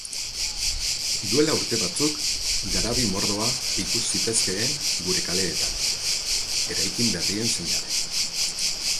Duela urte batzuk garabi mordoa ikus zitezkeen gure kaleetan, eraikin berrien seinale.